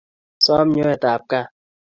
som nyoet ab kaat